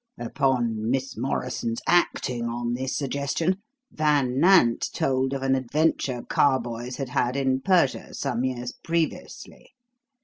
"Upon Miss Morrison's acting on this suggestion, Van Nant told of an adventure Carboys had had in Persia some years previously.